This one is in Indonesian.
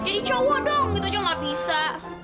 jadi cowok dong gitu aja gak bisa